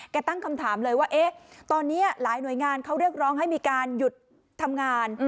ตั้งคำถามเลยว่าตอนนี้หลายหน่วยงานเขาเรียกร้องให้มีการหยุดทำงาน